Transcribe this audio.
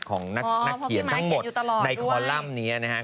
ของนักเขียนทั้งหมดในคอลัมป์เนี้ยอ๋อพี่มะเขียนอยู่ตลอดด้วย